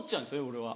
俺は。